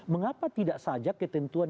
mengapa tidak saja ketentuan